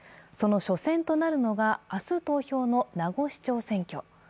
その初戦となるのが明日投票の名護市長選挙。